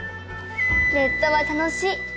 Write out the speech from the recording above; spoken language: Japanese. ネットは楽しい。